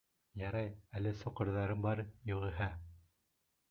Ярай әле соҡорҙары бар, юғиһә...